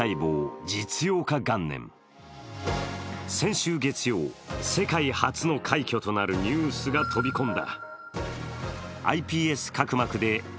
先週月曜、世界初の快挙となるニュースが飛び込んだ。